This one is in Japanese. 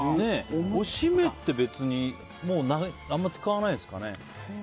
おしめって別にあんまり使わないんですかね。